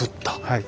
はい。